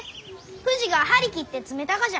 ふじが張り切って詰めたがじゃ。